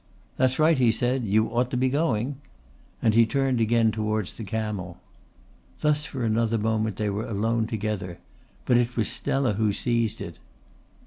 "That's right," he said. "You ought to be going;" and he turned again towards the camel. Thus for another moment they were alone together, but it was Stella who seized it.